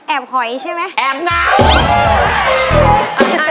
แอบหอยใช่มั้ยแอบหนาว